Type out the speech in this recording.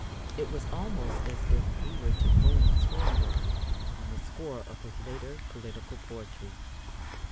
It was almost as if we were to boom Swinburne on the score of his later political poetry.